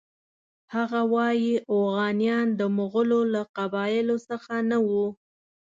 هغه وایي اوغانیان د مغولو له قبایلو څخه نه وو.